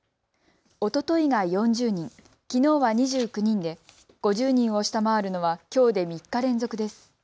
おとといが４０人、きのうは２９人で５０人を下回るのはきょうで３日連続です。